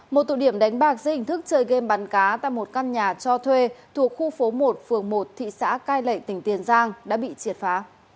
một tụ điểm đánh bạc dây hình thức chơi game bắn cá tại một căn nhà cho thuê thuộc khu phố một phường một thị xã cai lệ tỉnh tiền giang đã bị triệt phá